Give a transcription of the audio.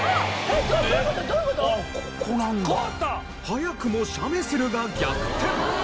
早くも「写メする」が逆転！